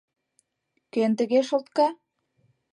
— Кӧн тыге шолтка?